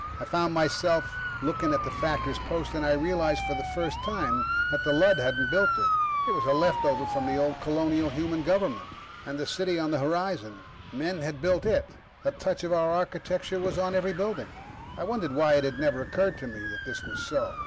I found myself looking at the factor's post, and I realized for the first time that the Lud hadn't built it. It was a leftover from the old colonial human government. And the city on the horizon men had built it; the touch of our architecture was on every building. I wondered why it had never occurred to me that this was so.